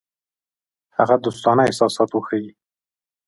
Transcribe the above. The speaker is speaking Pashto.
هغه دوستانه احساسات وښيي.